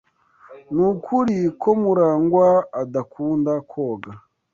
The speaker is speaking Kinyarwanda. Nukuri ko Murangwa adakunda koga?